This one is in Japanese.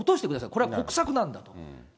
これは国策なんだから。